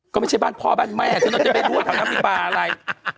ก็ไม่ใช่บ้านพ่อบ้านแม่ฉันเราจะไม่รู้ว่าแถวนั้นมีปลาอะไร